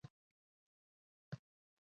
تاریخ بې رحمه و د ایتوپیايي وګړو په وړاندې.